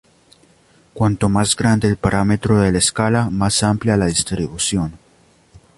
Cuanto más grande el parámetro de la escala, más amplia la distribución.